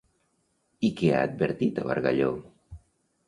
I què ha advertit a Bargalló?